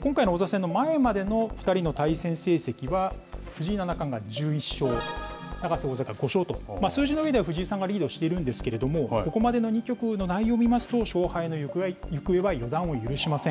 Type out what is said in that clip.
今回の王座戦の前までの２人の対戦成績は、藤井七冠が１１勝、永瀬王座が５勝と、数字のうえでは藤井さんがリードしているんですけれども、ここまでの２局の内容を見ますと、勝敗の行方は予断を許しません。